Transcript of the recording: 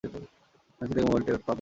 থানচি থেকে mobile network পাবেন না।